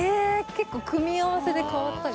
結構組み合わせで変わったり？